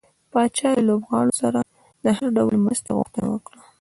پاچا له لوبغاړو سره د هر ډول مرستې غوښتنه وکړه .